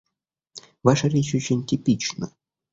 Ваша речь очень типична.